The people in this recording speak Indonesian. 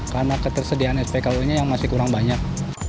karena ketersediaan spklu nya yang masih kurang banyak